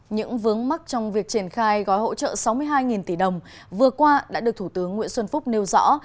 những vướng mắc trong việc triển khai gói hỗ trợ sáu mươi hai tỷ đồng vừa qua đã được thủ tướng nguyễn xuân phúc nêu rõ